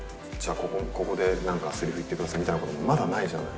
ここでなんかせりふ言ってくださいみたいなこともまだないじゃない。